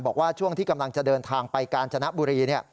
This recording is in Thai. บอกว่าช่วงที่กำลังจะเดินทางไปกาญจนบุรี